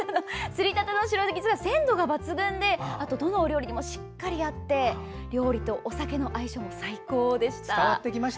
釣りたてのシロギスは鮮度が抜群でどのお料理にもしっかり合って料理とお酒の相性も最高でした。